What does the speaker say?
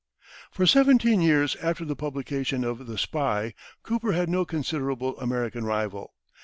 For seventeen years after the publication of "The Spy," Cooper had no considerable American rival.